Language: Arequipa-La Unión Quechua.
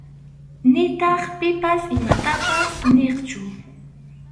Nitaq pipas imatapas niqchu.